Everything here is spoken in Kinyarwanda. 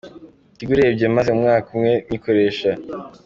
Tigo urebye maze umwaka umwe nyikoresha.